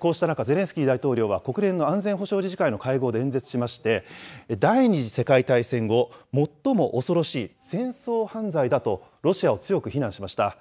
こうした中、ゼレンスキー大統領は国連の安全保障理事会の会合で演説しまして、第２次世界大戦後、最も恐ろしい戦争犯罪だと、ロシアを強く非難しました。